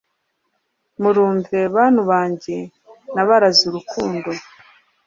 murumve bantu banjye nabaraze urukundo